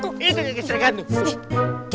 itu kekes rekan